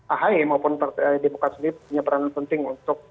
ahy maupun demokrat sendiri punya peranan penting untuk